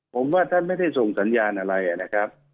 ผมว่าท่านไม่ได้ส่งสัญญาณอะไรนะครับ